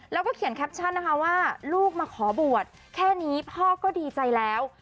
แล้วก็เขียนแคปชั่นนะคะว่าลูกมาขอบวชแค่นี้พ่อก็ดีใจแล้ว